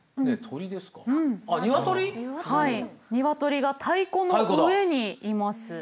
ニワトリが太鼓の上にいます。